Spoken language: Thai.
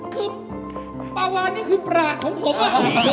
คือปาวานี่คือประหลาดของผมอะ